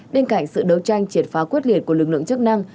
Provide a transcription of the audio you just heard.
bên cạnh sự đấu tranh triệt phá quyết liệt của lực lượng chức năng